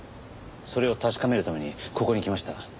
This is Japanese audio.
それを確かめるためにここに来ました。